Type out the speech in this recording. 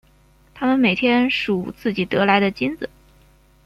他们每天数自己得来的金子。